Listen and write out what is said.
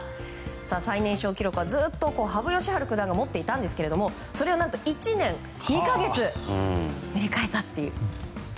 最年少記録はずっと羽生善治九段が持っていたんですがそれを何と１年２か月塗り替えたという。